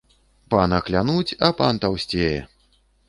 Пана клянуць, а пан таўсцее